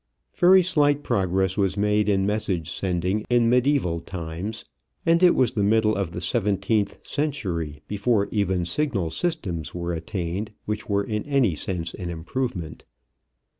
Very slight progress was made in message sending in medieval times, and it was the middle of the seventeenth century before even signal systems were attained which were in any sense an improvement.